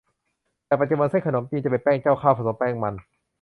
แต่ปัจจุบัน เส้นขนมจีนจะเป็นแป้งข้าวเจ้า ผสมแป้งมัน